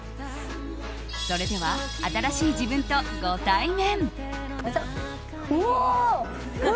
それでは、新しい自分とご対面。